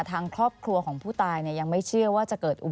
ทางครอบครัวของผู้ตายเนี่ยยังไม่เชื่อว่าจะเป็นอะไรนะครับ